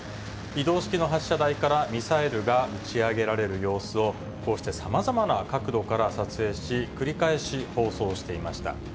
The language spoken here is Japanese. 移動式の発射台からミサイルが打ち上げられる様子を、こうしてさまざまな角度から撮影し、繰り返し放送していました。